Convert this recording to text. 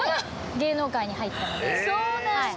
そうなんだ！